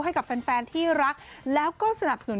ให้กับแฟนที่รักแล้วก็สนับสนุน